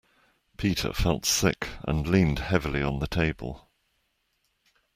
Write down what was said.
Peter felt sick, and leaned heavily on the table